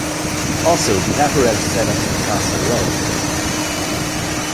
Also, the apparatus set-up and costs are relatively low.